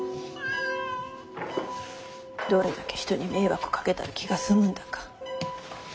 どれだけ人に迷惑かけたら気が済むんだか。